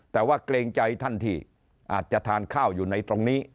แต่ว่าเกรงใจท่านที่อาจจะทานข้าวอยู่ในตรงนี้